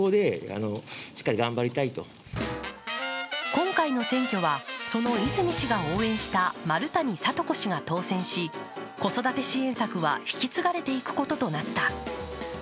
今回の選挙はその泉氏が応援した丸谷聡子氏が当選し子育て支援策は引き継がれていくこととなった。